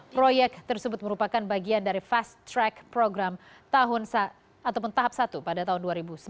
proyek tersebut merupakan bagian dari fast track program ataupun tahap satu pada tahun dua ribu sembilan